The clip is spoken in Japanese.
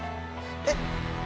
えっ！？